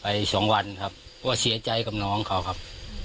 สองวันครับก็เสียใจกับน้องเขาครับ